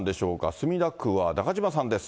墨田区は中島さんです。